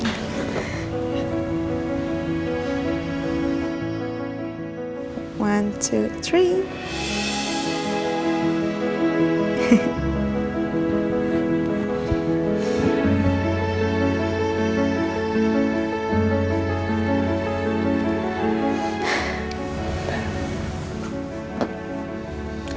dan ternyata sudah